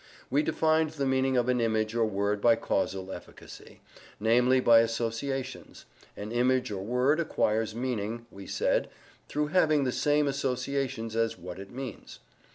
We defined the meaning of an image or word by causal efficacy, namely by associations: an image or word acquires meaning, we said, through having the same associations as what it means.